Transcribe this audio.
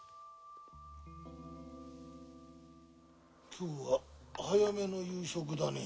今日は早めの夕食だね。